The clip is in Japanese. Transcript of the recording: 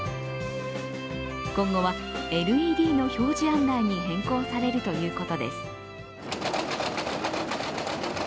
今後はＬＥＤの表示案内に変更されるということです。